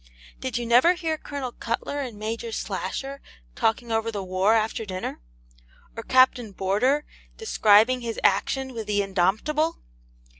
Did you never hear Colonel Cutler and Major Slasher talking over the war after dinner? or Captain Boarder describing his action with the 'Indomptable?'